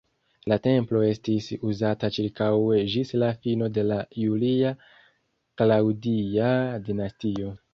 La templo estis uzata ĉirkaŭe ĝis la fino de la Julia-Klaŭdia dinastio.